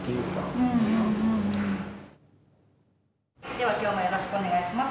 では今日もよろしくお願いします。